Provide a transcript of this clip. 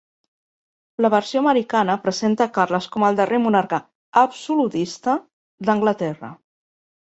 La versió americana presenta Carles com al darrer monarca "absolutista" d'Anglaterra.